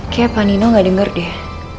kayaknya pak nino nggak denger deh